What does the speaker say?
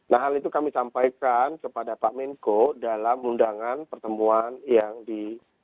nah hal itu kami sampaikan kepada pak menko dalam undangan pertemuan yang di